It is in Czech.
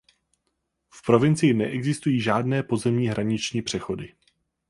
V provincii neexistují žádné pozemní hraniční přechody.